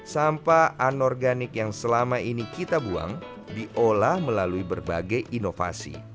sampah anorganik yang selama ini kita buang diolah melalui berbagai inovasi